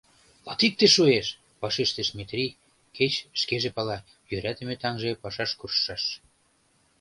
— Латикте шуэш!.. — вашештыш Метрий, кеч шкеже пала: йӧратыме таҥже пашаш куржшаш.